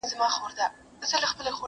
په دې اور سو موږ تازه پاته کېدلای!!